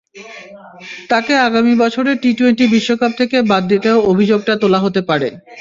তাকে আগামী বছরের টি-টোয়েন্টি বিশ্বকাপ থেকে বাদ দিতেও অভিযোগটা তোলা হতে পারে।